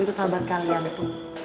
itu sahabat kalian itu